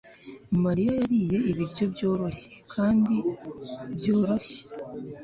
mariya yariye ibiryo byoroshye kandi byoroshye